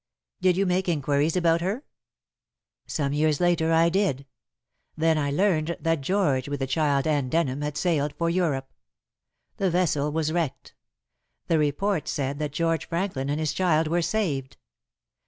"Did you make inquiries about her?" "Some years later I did. Then I learned that George, with the child and Denham, had sailed for Europe. The vessel was wrecked. The report said that George Franklin and his child were saved.